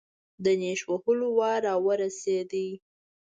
د نېش وهلو وار راورسېد.